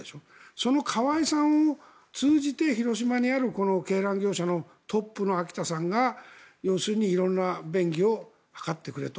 その河井さんを通じて広島にある鶏卵業者のトップの秋田さんが要するに色んな便宜を図ってくれと。